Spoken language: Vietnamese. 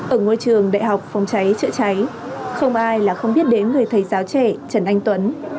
ở ngôi trường đại học phòng cháy chữa cháy không ai là không biết đến người thầy giáo trẻ trần anh tuấn